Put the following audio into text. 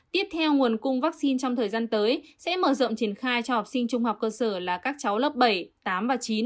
tiếp theo nguồn cung vaccine trong thời gian tới sẽ mở rộng triển khai cho học sinh trung học cơ sở là các cháu lớp bảy tám và chín